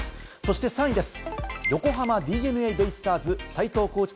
そして３位です。